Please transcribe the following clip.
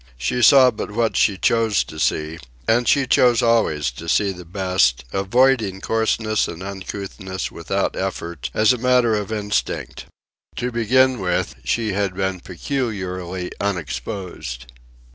She saw but what she chose to see, and she chose always to see the best, avoiding coarseness and uncouthness without effort, as a matter of instinct. To begin with, she had been peculiarly unexposed.